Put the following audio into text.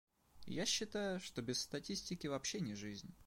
Я считаю, что без статистики вообще не жизнь.